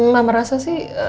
mama rasa sih